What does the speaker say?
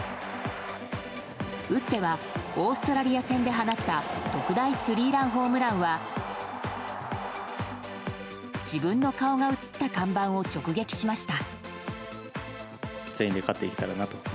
打ってはオーストラリア戦で放った特大スリーランホームランは自分の顔が映った看板を直撃しました。